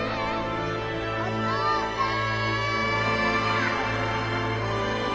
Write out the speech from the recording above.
お父さん！